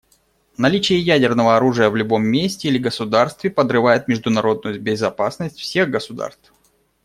Наличие ядерного оружия в любом месте или государстве подрывает международную безопасность всех государств.